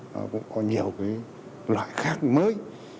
nó cũng có nhiều loại khác mới